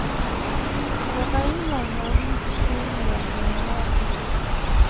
لغوي مانا یې ستون یا مینار دی.